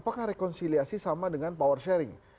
apakah rekonsiliasi sama dengan power sharing